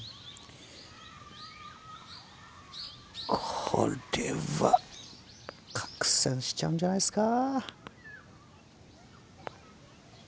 これは拡散しちゃうんじゃないっすか。